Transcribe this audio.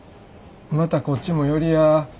またこっちも寄りや。